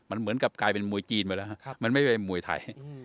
มันเหมือนกับกลายเป็นมวยจีนไปแล้วมันไม่เป็นมวยไทย